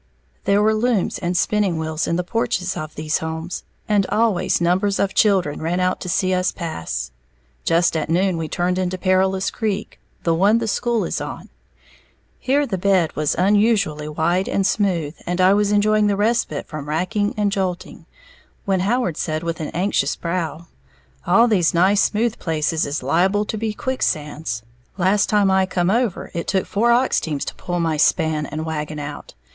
There were looms and spinning wheels in the porches of these homes, and always numbers of children ran out to see us pass. Just at noon we turned into Perilous Creek, the one the school is on. Here the bed was unusually wide and smooth, and I was enjoying the respite from racking and jolting, when Howard said with an anxious brow, "All these nice smooth places is liable to be quicksands, last time I come over, it took four ox teams to pull my span and wagon out.